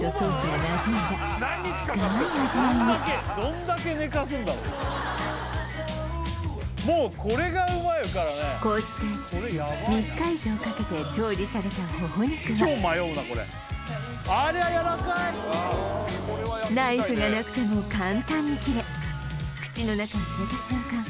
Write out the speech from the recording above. もうこれがうまいからねこうして３日以上かけて調理されたほほ肉は超迷うなこれありゃやわらかいナイフがなくても簡単に切れ口の中に入れた瞬間